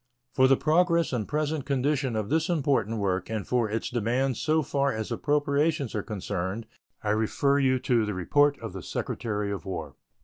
For the progress and present condition of this important work and for its demands so far as appropriations are concerned I refer you to the report of the Secretary of War.